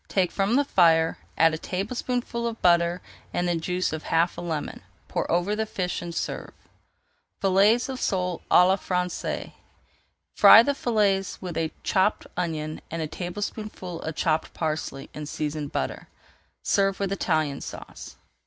Take from the fire, add a tablespoonful of butter and the juice of half a lemon. Pour over the fish and serve. FILLETS OF SOLE À LA FRANÇAISE Fry the fillets with a chopped onion and a tablespoonful of chopped parsley in seasoned butter. Serve with Italian Sauce.